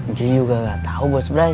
gue juga gak tau bos brai